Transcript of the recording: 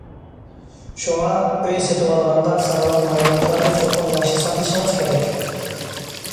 شۇڭا، ئۆي سېتىۋالغاندا سانلىق مەلۇماتلارنى چوقۇم ياخشى ساقلىشىڭىز كېرەك.